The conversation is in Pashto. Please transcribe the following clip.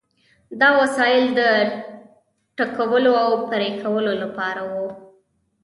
دا وسایل د ټکولو او پرې کولو لپاره وو.